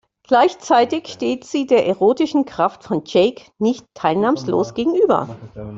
Gleichzeitig steht sie der erotischen Kraft von Jake nicht teilnahmslos gegenüber.